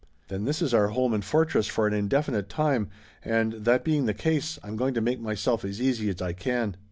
"Then this is our home and fortress for an indefinite time, and, that being the case, I'm going to make myself as easy as I can."